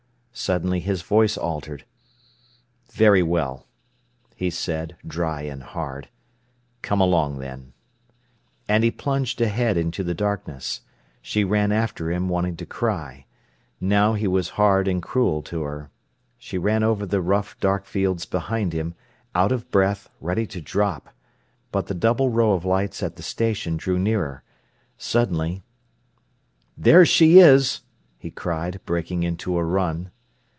Suddenly his voice altered. "Very well," he said, dry and hard. "Come along, then." And he plunged ahead into the darkness. She ran after him, wanting to cry. Now he was hard and cruel to her. She ran over the rough, dark fields behind him, out of breath, ready to drop. But the double row of lights at the station drew nearer. Suddenly: "There she is!" he cried, breaking into a run.